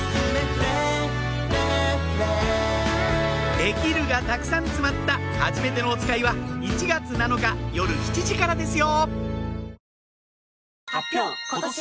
できるがたくさん詰まった『はじめてのおつかい』は１月７日夜７時からですよ！